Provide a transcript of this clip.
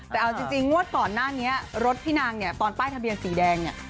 แต่เอาจริงงวดก่อนหน้านี้รถพี่นางเนี่ยตอนป้ายทะเบียนสีแดงเนี่ย